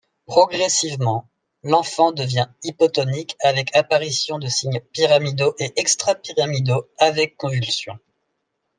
Progressivement l’enfant devient hypotonique avec apparition de signes pyramidaux et extra-pyramidaux avec convulsions.